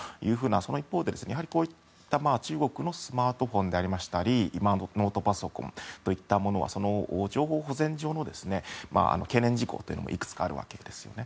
その一方でこういった中国のスマートフォンであったりノートパソコンといったりしたものは情報保全上の懸念事項もいくつかあるわけですね。